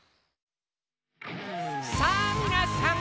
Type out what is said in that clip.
さぁみなさん！